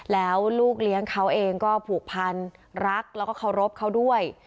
แล้วลูกเลี้ยงเขาเองก็ผูกพันรักแล้วก็เคารพเขาด้วย